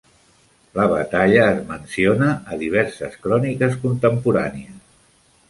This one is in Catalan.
La batalla es menciona a diverses cròniques contemporànies.